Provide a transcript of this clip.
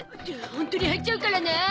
ホントに入っちゃうからな。